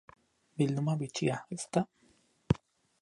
Bilduma bitxia, ezta?